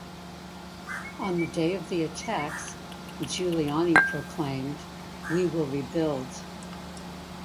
On the day of the attacks, Giuliani proclaimed, We will rebuild.